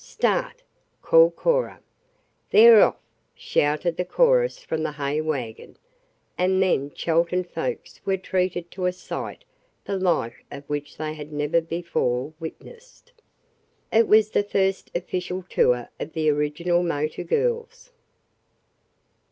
"Start!" called Cora. "They're off!" shouted the chorus from the hay wagon, and then Chelton folks were treated to a sight the like of which they had never before witnessed. It was the first official tour of the original motor girls.